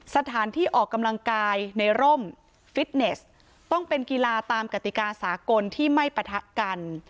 สถานที่ออกกำลังกายในร่มฟิตเนสต้องเป็นกีฬาตามกติกาสากลที่ไม่ปะทะกัน